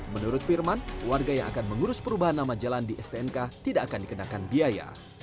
menurut firman warga yang akan mengurus perubahan nama jalan di stnk tidak akan dikenakan biaya